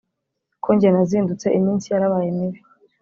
ko njye nazindutse iminsi yarabaye mibi